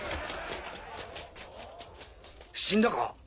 死んだか？